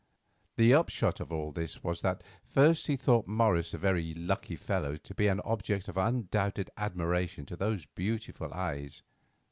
The upshot of all this was that first he thought Morris a very lucky fellow to be an object of undoubted admiration to those beautiful eyes.